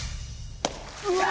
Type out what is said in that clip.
うわ！